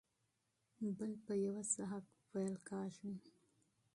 بل په یو ساه وېل کېږي.